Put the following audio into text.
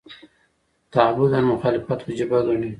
تعبداً مخالفت وجیبه ګڼي.